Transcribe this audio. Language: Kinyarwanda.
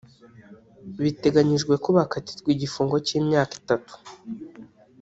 biteganyijwe ko bakatirwa igifungo cy’imyaka itatu